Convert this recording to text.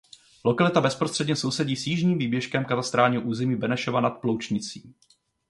Lokalita bezprostředně sousedí s jižním výběžkem katastrálního území Benešova nad Ploučnicí.